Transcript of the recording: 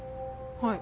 はい。